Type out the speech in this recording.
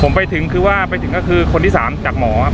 ผมไปถึงคือว่าไปถึงก็คือคนที่๓จากหมอครับ